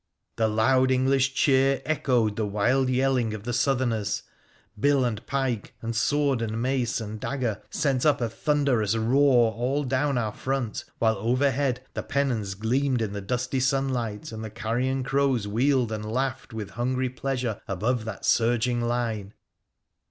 The loud English cheer echoed the wild yelling of the Southerners : bill and pike, and sword and mace and dagger sent up a thunderous roar all down our front, while overhead the pennons gleamed in the dusty sunlight, and the carrion crows wheeled and laughed with hungry pleasure above that surging line.